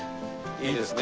いいですね。